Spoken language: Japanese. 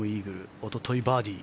おとといバーディー。